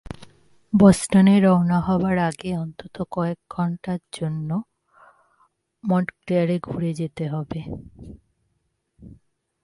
বষ্টনে রওনা হবার আগে কয়েক ঘণ্টার জন্য অন্তত মণ্টক্লেয়ারে ঘুরে যেতে হবে।